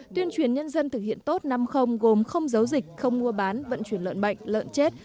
tuyên truyền nhân dân thực hiện tốt năm gồm không giấu dịch không mua bán vận chuyển lợn bệnh lợn chết